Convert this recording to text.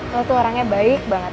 kalau tuh orangnya baik banget